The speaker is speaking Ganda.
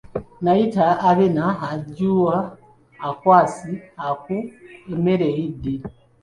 Naayita, Abena, Ajua, Akwasi, Aku, emmere eyidde!